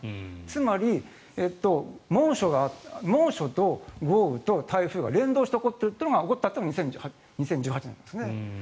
つまり、猛暑と豪雨と台風が連動して起こったというのが２０１８年ですね。